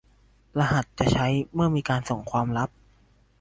รหัสจะใช้เมื่อมีการส่งความลับ